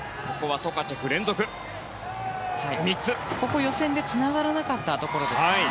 ここは予選でつながらなかったところです。